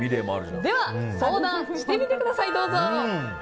では、相談してみてください。